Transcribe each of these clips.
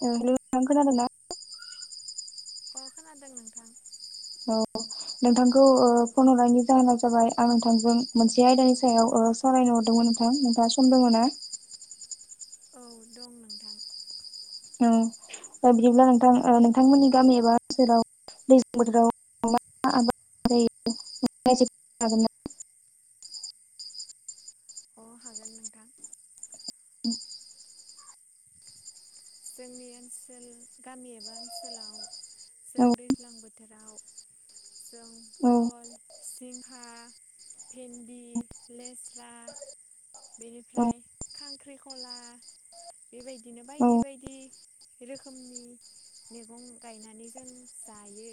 Hello नोंथां खोनादों ना? अ खोनादों नोंथां औ नोंथांखौ ओ फन हरनायनि जाहोना जाबाय आं नोंथांजों मोनसे आयदानि सायाव सावरायनो हरदोंमोन नोंथां नोंथाङ सम दङ ना? औ दं नोंथां बिदिब्ला नोंथां नोंथांमोननि गामि एबा ओनसोराव दैज्लां बोथोराव मा [unintelligible] अ भागों नोंथां जोंनि ओनसोल गामि एबा ओनसोलाव जों औ दैज्लां बोथोराव जों औ सिंहाहा भेन्दि लेस्रा बेनिफ्राय खांख्रिखला बेबायदिनो औ औ बायदि बायदि बिदि रोखोमनि मैगं गायनानै जों जायो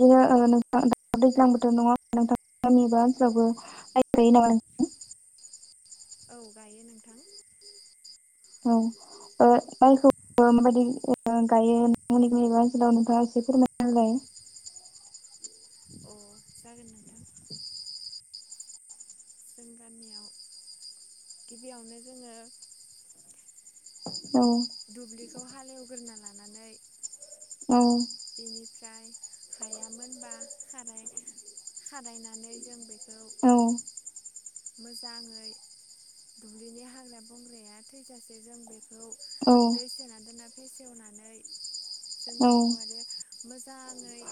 बिदिनो नोंथ दैज्लांबोथ' नङा नोंथां गामि एबा ओनसोलावबो [unintelligible] नामा नों [unintelligible] औ गायो नोंथां औ ओ माइखौ माबायदि गायो नोंबा ओनसोलाव नोंथा एसे फोरमायना होलाय अ जागोन नोंथां [unintelligible] जों गामियाव गिबियावनो जोंङो दुब्लिखौ हालेवग्रोना लानानै औ बेनिफ्राय हायामोनबा खाराय खारायनानै जों बेखो औ मोजाङै दुब्लिनि हाग्रा बंग्राया थैजासे जों बेखौ खौ दै सोनानै दोना फेसेवनानै जों बेखौ आरो मोजाङै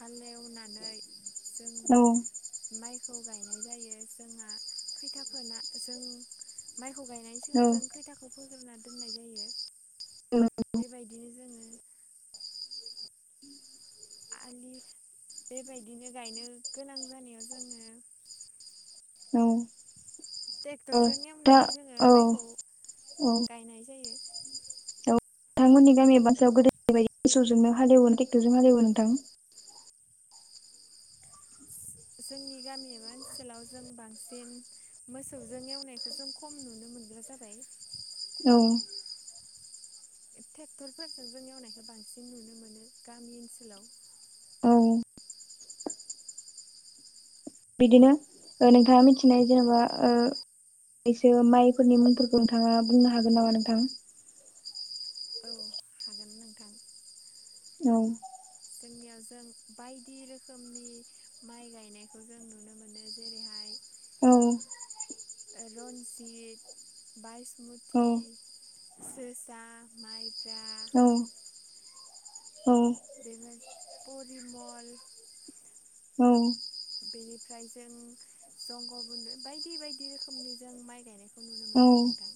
हाले-वनानै जों औ माइखौ गायनाय जायो। जोंहा खैथा फोना जों माइखौ गायनायनि सिगां जों खैथाखौ फोग्रोनानै दोननाय जायो। औ बिदि जोङो आलि बेबायदिनो गायनो गोनां जानायाव जोङो टेक्टरजों औ दा एवनानै जोङो औ माइखौ गायनाय जायो। नोंथांमोननि गामिया [unintelligible] गोदोनि बायदि मोसौजोंनो हालेवो टेक्टरजों हालेवो नोंथां [inaudible] जोंनि गामि एबा ओनसोलाव जों बांसिन मोसौजों एवनायखौ जों खम नुनो मोनो नुग्रा जाबाय औ टेक्टरफोरजों जों एवनायखौ बांसिन नुनो मोनो गामि ओनसोलाव। औ बिदिनो ओ नोंथाङा मिथिनाय जेनेबा ओ एसो माइफोरनि मोनफोरखौ नोंथाङा बुंनो हागोन नामा नोंथां? औ हागोन नोंथां [inaudible] जोंनियाव जों बायदि रोखोमनि माइ गायनायखौ जों नुनो मोनो जेरैहाय औ रनजित बायसमुथि जोसा माइब्रा औ [unintelligible] परिमल औ बेनिफ्राय जों जंग' बन्द बायदि बायदि रोखोमनि जों माइ गायनायखौ नुनो मोनो। औ आरो नोंथां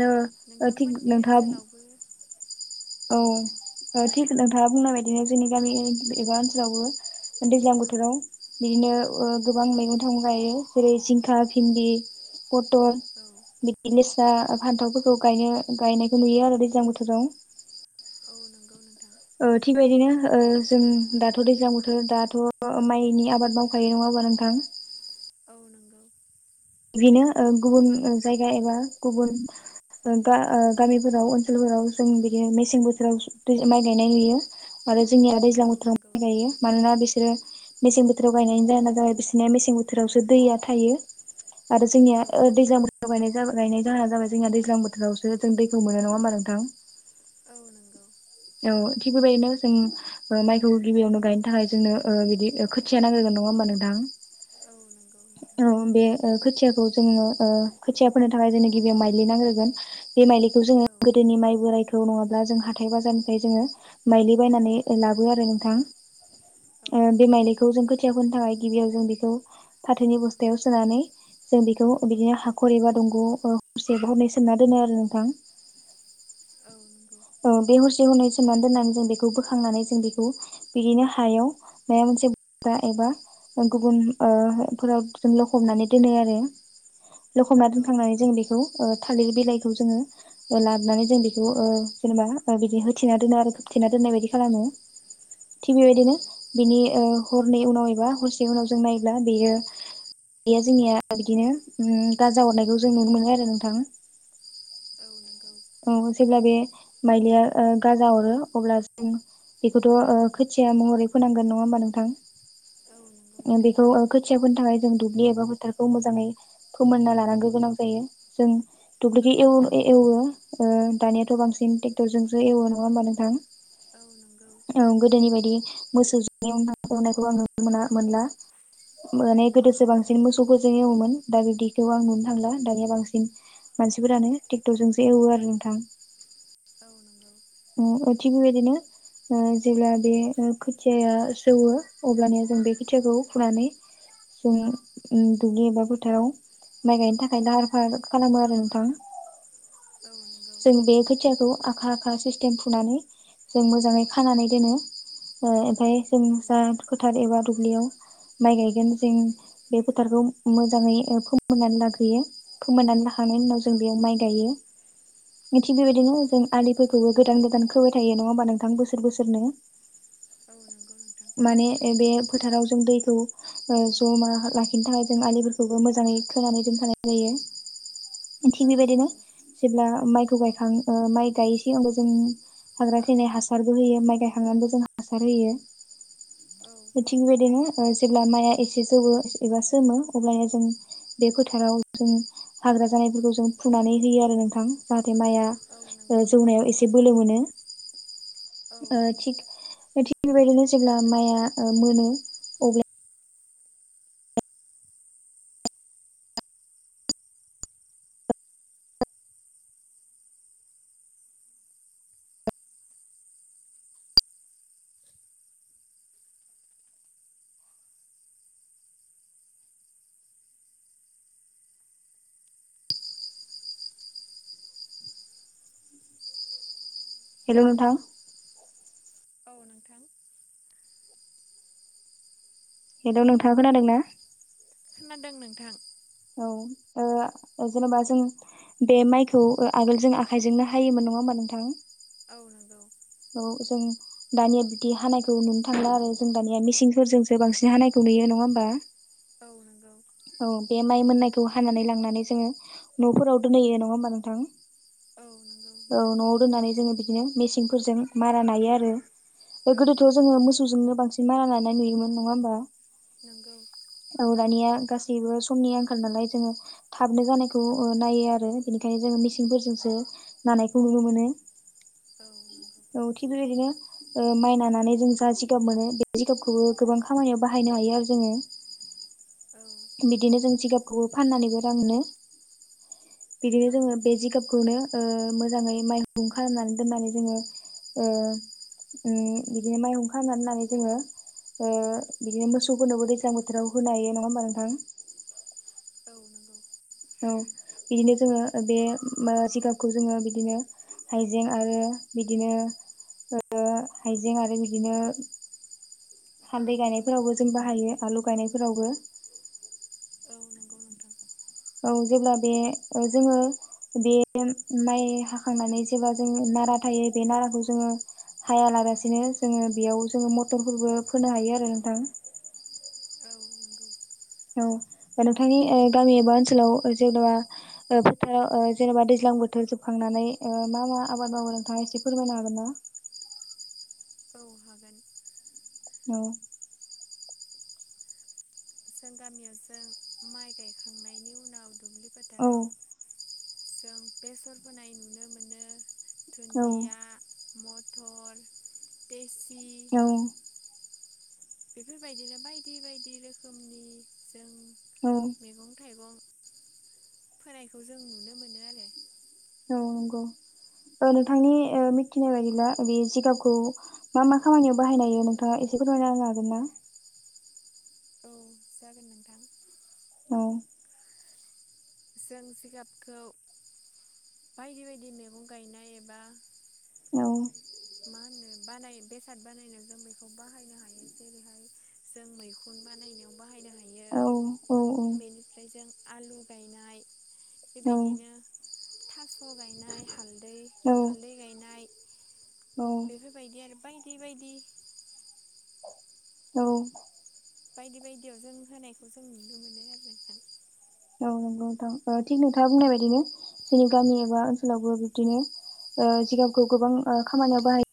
नो थिग नोंथांमोननि नोंथाङा ओनसोलावबो [inaudible] औ थिग नोंथाङा बुंनाय बायदिनो जोंनि गामि एबा ओनसोलावबो दैज्लां बोथोराव बिदिनो ओ औ गोबां मैगं थाइगं गायो जेरै जिंखा भिन्दि पटर बिदि लेसा फान्थावफोरखौ गायनो गायनायखौ नुयो आरो दैज्लां बोथोराव। औ नंगौ नोंथां ओ थिगबायदिनो ओ जों दाथ' दैज्लां बोथोर दाथ' माइनि आबाद मावखायो नङा [unintelligible] नोंथां औ नंगौ बिनो गुबुन जायगा एबा गुबुन ओ गा-गामिफोराव ओनसोलफोराव जों बिदिनो मेसें बोथोराव दै माइ गायनाय नुयो आरो जोंनिया दैज्लां औ बोथोराव नंगौ माइ गायो मानोना बे बिसोरो मेसें बोथोराव गायनायनि जाहोना जाबाय बिसोरनिया मेसें बोथोरावसो दैया थायो। आरो जोंनिया औ ओ नंगौ दैज्लांबोथोराव गायनाय [unintelligible] गायनाय जाहोना जाबाय जोंना दैज्लां बोथोरावसो जों दैखौ मोनो नङा होनोमा नोंथां? औ नोंगौ ओ थिग बेबायदिनो जों ओ माइखौ गिबियावनो गायनो थाखाय जोंनो ओ बिदि खोथिया नांग्रोन नङा होनबा नोंथां औ नंगौ। नोंथां अम बे ओ खोथियाखौ जोङो ओ खोथिया फोनो थाखाय जोंनो गिबियाव माइलि नांग्रोगोन बे माइ जोङो औ गोदोनि माइ बोरायथ नङाब्ला जों हाथाय बाजारनिफ्राय जोङो माइलि बायनानै लाबो आरो नोंथां औ नंगौ बेमायलिखौ जों खोथिया होनो थाखाय गिबियाव जों बेखौ हाथैनि बस्थायाव सोनानै जों बेखौ बिदिनो हाखर एबा दंग' हरसे हरनै सोमना दोनो आर नोंथां। औ नंगौ औ बे हरसे हरनै सोमनानै दोननानै जों बेखौ बोखांनानै जों बेखौ बिदिनो हायाव माने [unintelligible] एबा गुबुन ओ फोराव जोंल'कबनानै दोनो आरो [inaudible] लखबना औ दोनखांनानै नंगौ जों बेखौ थालिर बिलाइखौ जोङो लाबोनानै जों बेखौ ओ जेनेबा बिदि होथेना दोनो आरो खोबथेना दोननाय बायदि खालामो। थिग औ बेबायदिनो नंगौ औ बिनि हरनै उनाव एबा हरसे उनाव जों नायोब्ला बेयो गया जोंनिया बिदिनो गाजा हरनायखौ जों नुनो मोनो आरो नोंथां। औ नंगौ। औ जेब्ला बे माइलिया गाजा हरो अब्ला जों बेखौथ' खोथि थिया महरै फोनांगोन नङा होमबा नोंथां? औ नंगौ नोंथां बेखौ खोथियाफोरनि थाखाय जों दुब्लि एबा फोथारखौ मोजाङै फोमोनना लानांगौ गोनां जायो जों औ दुब्लिकेटव एवो दानियाथ' बांसिन ट्रेक्टरजोंसो एवो नङा होमबा नोंथां? औ नंगौ औ गोदोनि बायदि मोसौ जाव ननायखौ आं नुनो मोना मोनला। माने औ गोदोसो नंगौ बांसिन औ मोसौफोरजों एवोमोन दा बिदिखौ आं नुनो थांला दानिया बांसिन मानसिफोरानो ट्रेक्टरजोंसो एवो आरो नोंथां। औ नंगौ। अ थिग बेदिनो जेब्ला बे खोथियाया जौवो अब्लानोया जों बे खोथियाखौ फुनानै जोंङो दुब्लि एबा फोथार माइ गायनो थाखाय लाहार फाहार खालामो आरो नोंथां। औ नंगौ जों औ बे खोथियाखौ आखा आखा स फुनानै जों मोजाङै खानानै दोनो। ओ ओमफफ्राय जोंसा औ खोथार एबा दुब्लियाव माइ गायगोन जों बे फोथारखौ मोजाङै फोमोननानै लाखैयो फोमोननानै ला खांनायनि उनाव जों बेयाव औ माइ गायो। थिग बेबायदिनो नंगौ जों आलिफोरखौबो गोदान गोदान खोबाय थायो नङा होमबा नोंथां बोसोर बोसोरनो। औ नंगौ नोंथां माने ए बे फोथाराव जों दैखौ जमा लाखिनो थाखाय जों आलिफोरखौबो मोजाङै खोनानै दोनखानाय जायो। थिग औ बेबायदिनो नंगौ जेब्ला माइखौ गायखां माइ गायसै जों हाग्रा थैनाय हासारबो होयो माइ गायखांनानैबो जों हासार होयो। औ थिगबायदिनो जेब्ला माइया एसे जौवो एबा सोमो अब्लानो जों बे फोथाराव जों हाग्रा जानायफोरखौ जों फुनानै होयो आरो नोंथां जाहाथे माइआ औ नंगौ जौनायाव एसे मोनो बोलो औ ओ थिग थिग बेबायदिनो जेब्ला माइआ मोनो अब्ला हेल' नोंथां औ नोंथां हेल' नोंथाङा खोनादों ना? खोनादों नोंथां। औ जेनेबा जों बे माइखौ आगोल जों आखायजोंनो हायोमोन नङा होनबा? नोंथां औ नोंगौ औ जों दानिया बिदि हानायखौ नुनो थांला आरो जों दानिया मिसिंफोरजोंसो बांसिन हानायखौ नु गयो नङा होमबा औ नंगौ औ बे माइ मोननायखौ हानानै लांनानै जोंङो न'फोराव दोनहैयो नङा होमबा नोंथां औ नंगौ नोंथां मेसेंफोरजों मारा नायो आरो औ गोदोथ' जोङो मोसौजोंनो बांसिन बि मारा लानाय नुयोमोन नङा होमबा नोंगौ औ दानिया गासैबो समनि आंखाल नालाय जोंङो थाबनो जानायखौ नायो आरो बिनिखायनो। ओंखायनो जोंङो मेसिंफोरजोंसो नानायखौ नुनो मोनो। औ नंगौ औ थिग बेबायदिनो माइ नानानै जों जा जिगाब मोनो बे जिगाबखौबो गोबां खामानियाव बाहायो। गनो हायो आरो जोंङो औ नंगौ औ बिदिनो जों जिगाबखौबो फाननानैबो रांनो बिदिनो जों ङो बे जिगाब खौनो मोजाङै माइरं खालामनानै दोननानै जोङो उ बिदिनो माइहं खनानै लाय जोङो बिदिनो मोसौफोरनोबो दैज्लां बोथोराव होनो हायो नङा होमबा नोंथां औ नंगौ औ बिदिनो जोङो बे जिगाबखौ जोङो बिदिनो हाइजें आरो बिदिनो हाइजें आरो बिदिनो हान्दै गायनायफोरावबो जों बाहायो आलु गायनायफोरावबो औ नंगौ नोंथां औ जेब्ला बे जोङो बे माइ हाखांनानै जेब्ला जोङो नाराथ थायो बे नाराखौ जोङो हाया लागासिनो जोङो बेयाव जोङो मथरफोरबो फोनो हायो आरो नोंथां औ नंगौ औ नोंथांनि गामि एबा ओनसोलाव जेने'बा फोथाराव जेनेबा दैज्लां बोथोर बोथोर जोबखांनानै मा मा आबाद मावो नोंथाङा एसे फोरमायनो हागोन ना औ हागोन औ जों गामियाव जों माइ गायखांनायनि उनाव दुब्लि औ फोथाराव जों बेसर फोनाय नुनो मोनो औ दुन्दिया मथ थर पेसि औ बेफोरबायदिनो बायदि बायदि रोखोमनि जों औ मैगं थाइगं फोनायखौ जों नुनो मोनो आरो नंगौ नोंथांनि मिथिनाय बायदिब्ला बे जिगाबखौ मा मा खामानियाव बाहायनायायो नोंथाङा एसे फोरमायलाय हागोन दां औ जागोन नोंथां औ जों जिखाबखौ बायदि बायदि मैगं गायनाय एबा औ मा होनो बानाय बेसाद बानायनायाव जों बेखौ बाहायनो हायो जेरैहाय जों मैखुन बानायनायाव बाहायनो हायो औ औ बेनिफ्राय जों आलु गायनाय नंगौ बेबायदिनो थास' गायनाय हालदै हालदै गायनाय बेफोरबायदि आरो बायदि बायदि बायदि बायदियाव जों होनायखौ जों नुनो मोनो आरो नोंथां नगौोंथ थिक नोंथाङा बुंनाय बायदिनो जोंनि गामि एबा ओनसोलावबो बिबदिनो जिगाबखौ गोबां खामानियाव बाहायो